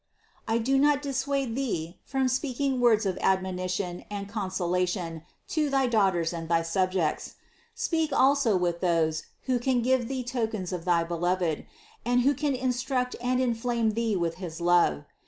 388. I do not dissuade thee from speaking words of admonition and consolation to thy daughters and thy subjects. Speak also with those, who can give thee tokens of thy Beloved, and who can instruct and in flame thee with his love.